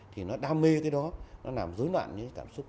thì nó đam mê cái đó nó làm dối loạn những cảm xúc